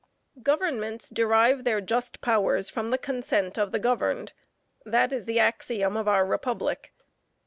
Governments derive their just powers from the consent of the governed. That is the axiom of our republic.